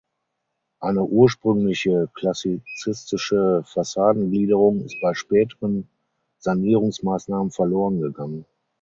Eine ursprüngliche klassizistische Fassadengliederung ist bei späteren Sanierungsmaßnahmen verloren gegangen.